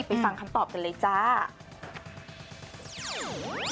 ฟังคำตอบกันเลยจ้า